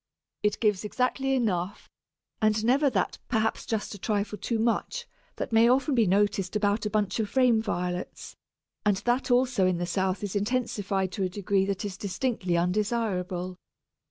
It gives exactly enough, and never that perhaps just a trifle too much that may often be noticed about a bunch of frame Violets, and that also in the south is intensified to a degree that is distinctly undesirable.